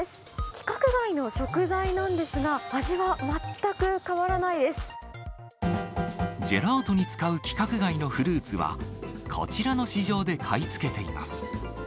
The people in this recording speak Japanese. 規格外の食材なんですが、味は全ジェラートに使う規格外のフルーツは、こちらの市場で買い付けています。